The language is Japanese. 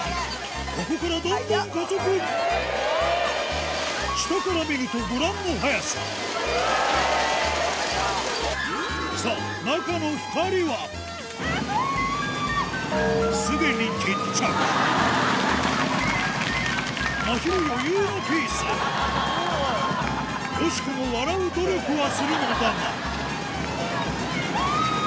ここからどんどん加速下から見るとご覧の速ささぁまひる余裕のピースよしこも笑う努力はするのだがキャ！